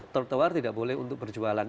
trotoar tidak boleh untuk berjualan